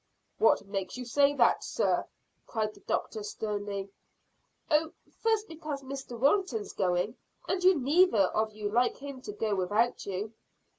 "What makes you say that, sir?" cried the doctor sternly. "Oh, first because Mr Wilton's going, and you'd neither of you like him to go without you."